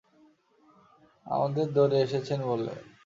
আমাদের দোরে এসেছেন বলে।